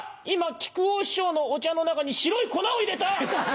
今木久扇師匠のお茶の中に白い粉を入れた！